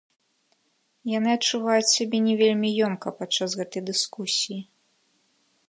Яны адчуваюць сябе не вельмі ёмка падчас гэтай дыскусіі.